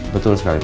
betul sekali pak